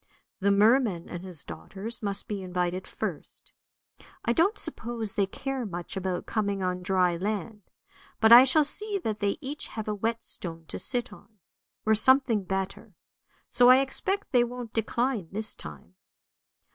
The merman and his daughters must be invited first. I don't suppose they care much about coming on dry land, but I shall see that they each have a wet stone to sit on, or something better; so I expect they won't decline this time.